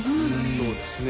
そうですね